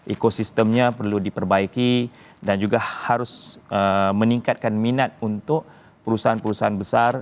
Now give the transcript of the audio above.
ekosistemnya perlu diperbaiki dan juga harus meningkatkan minat untuk perusahaan perusahaan besar